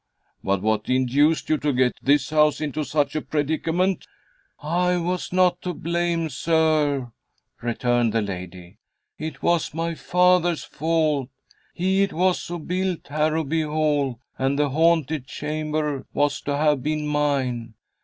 "But what induced you to get this house into such a predicament?" "I was not to blame, sir," returned the lady. "It was my father's fault. He it was who built Harrowby Hall, and the haunted chamber was to have been mine.